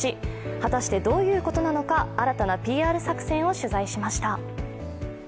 果たしてどういうことなのか新たなＰＲ作戦を取材しました。